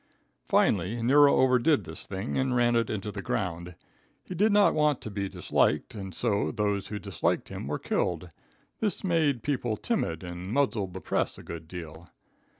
Finally, Nero overdid this thing and ran it into the ground. He did not want to be disliked and so, those who disliked him were killed. This made people timid and muzzled the press a good deal.